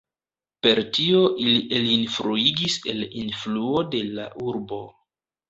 Per tio ili elinfluigis el influo de la urbo.